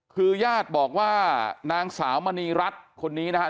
คือญาติบอกว่านางสาวมณีรัฐคนนี้นะครับ